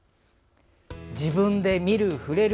自分で見る、触れる。